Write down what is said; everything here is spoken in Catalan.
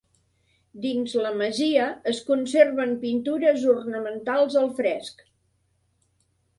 Dins la masia es conserven pintures ornamentals al fresc.